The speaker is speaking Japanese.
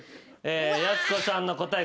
やす子さんの答え